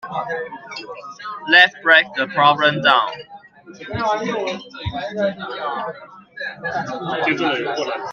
Let's break the problem down.